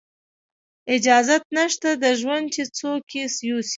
اجازت نشته د ژوند چې څوک یې یوسي